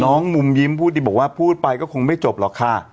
มุมยิ้มพูดดีบอกว่าพูดไปก็คงไม่จบหรอกค่ะ